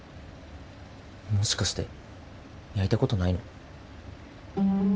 もしかして焼いたことないの？